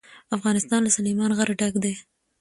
افغانستان له سلیمان غر ډک دی.